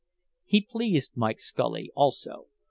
He pleased Mike Scully, also.